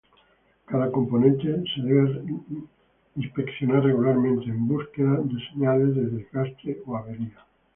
Cada componente debe ser inspeccionado regularmente en búsqueda de señales de desgaste o avería.